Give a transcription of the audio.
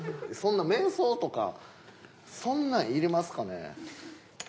そんな瞑想とかそんなんいりますかね？